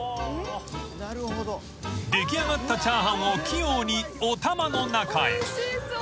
［出来上がったチャーハンを器用におたまの中へ］